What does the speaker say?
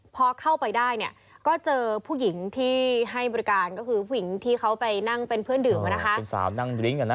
พอเข้าไปได้เนี่ยก็เจอผู้หญิงที่ให้บริการก็คือผู้หญิงที่เขาไปนั่งเป็นเพื่อนดื่มสาวนั่งดริ้งอ่ะนะ